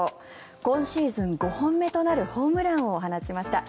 今シーズン５本目となるホームランを放ちました。